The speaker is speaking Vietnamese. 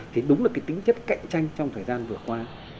thì đúng là cái tính chất cạnh tranh trong thời gian vừa qua